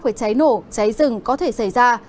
với cháy nổ cháy rừng có thể xảy ra